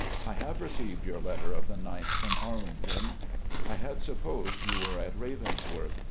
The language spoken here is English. I have received your letter of the 9th from Arlington. I had supposed you were at Ravensworth.